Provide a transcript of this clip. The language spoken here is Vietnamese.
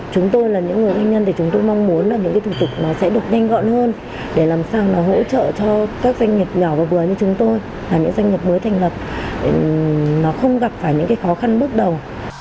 chúng tôi là những người doanh nhân để chúng tôi mong muốn là những cái thủ tục nó sẽ được nhanh gọn hơn để làm sao mà hỗ trợ cho các doanh nghiệp nhỏ và vừa như chúng tôi là những doanh nghiệp mới thành lập nó không gặp phải những cái khó khăn bước đầu